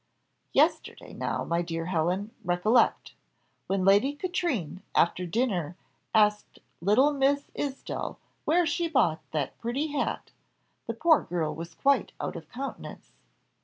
Yesterday, now, my dear Helen, recollect. When Lady Katrine, after dinner, asked little Miss Isdall where she bought that pretty hat, the poor girl was quite out of countenance.